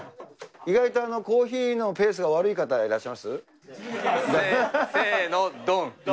意外と、コーヒーのペースが悪い方、いらっしゃいます？せーの、どん。